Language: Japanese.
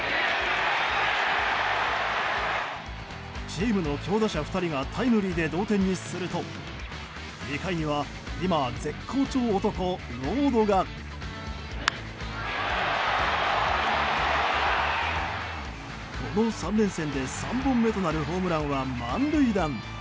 チームの強打者２人がタイムリーで同点にすると２回には今、絶好調男ウォードがこの３連戦で３本目となるホームランは満塁弾。